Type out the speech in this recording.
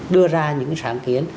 đưa ra những sáng kiến